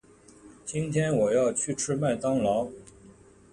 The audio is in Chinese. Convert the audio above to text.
今天我要去吃麦当劳。